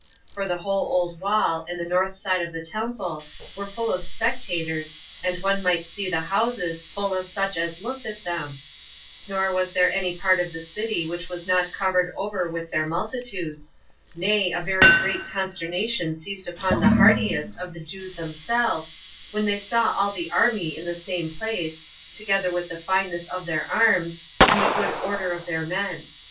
For the whole old wall, and the north side of the temple, were full of spectators, and one might see the houses full of such as looked at them; nor was there any part of the city which was not covered over with their multitudes; nay, a very great consternation seized upon the hardiest of the Jews themselves, when they saw all the army in the same place, together with the fineness of their arms, and the good order of their men.